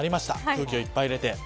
空気をいっぱい入れて。